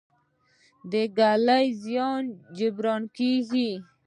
د ږلۍ د زیان جبران کیږي؟